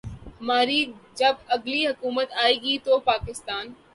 ہماری جب اگلی حکومت آئے گی تو پاکستان